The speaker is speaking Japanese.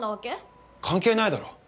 関係ないだろ。